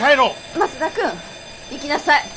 松田君行きなさい。